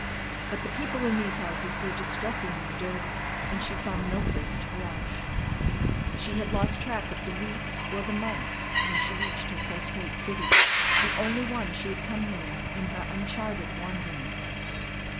But the people in these houses were distressingly dirty, and she found no place to wash. She had lost track of the weeks or the months when she reached her first great city, the only one she had come near in her uncharted wanderings.